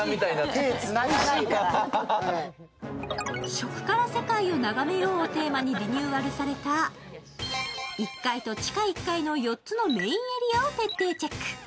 食から世界を眺めようをテーマにリニューアルされた１階と地下１階の４つのメインエリアをチェック。